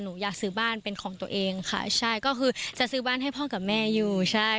หนูอยากซื้อบ้านเป็นของตัวเองค่ะใช่ก็คือจะซื้อบ้านให้พ่อกับแม่อยู่ใช่